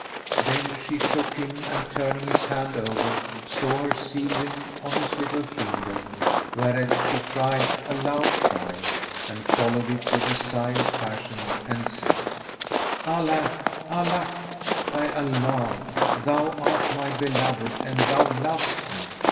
Then she shook him and turning his hand over, saw her seal ring on his little finger, whereat she cried a loud cry, and followed it with a sigh of passion and said, "Alack! Alack! By Allah, thou art my beloved and thou lovest me!